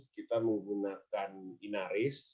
kita menggunakan inaris